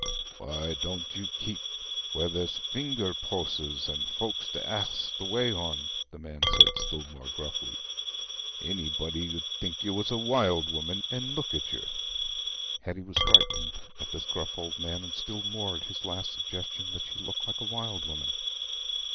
"Why dooant you keep where there's a finger poasses an' folks to ax the way on?" the man said, still more gruffly. "Anybody 'ud think you was a wild woman, an' look at yer." Hetty was frightened at this gruff old man, and still more at this last suggestion that she looked like a wild woman.